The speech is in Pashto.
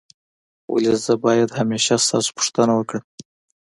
ولي زه باید همېشه ستاسو پوښتنه وکړم؟